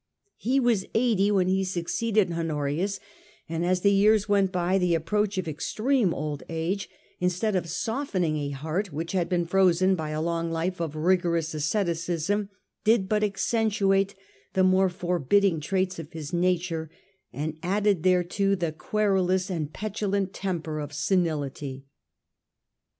He was eighty when he succeeded to Honorius, and as the years went by, the approach of extreme old age, instead of softening a heart which had been frozen by a long life of rigorous asceticism, did but accentuate the more forbidding traits of his nature, and added thereto the querulous and petulant temper of senility.